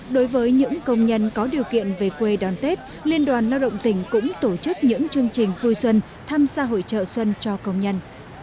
đối với những công nhân có điều kiện về quê đón tết liên đoàn lao động tỉnh cũng tổ chức những chương trình vui xuân tham gia hội trợ xuân cho công nhân